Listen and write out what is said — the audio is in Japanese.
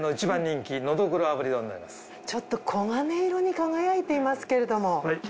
ちょっと黄金色に輝いていますけれども。